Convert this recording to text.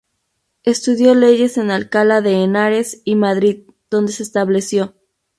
Estudió leyes en Alcalá de Henares y Madrid, donde se estableció.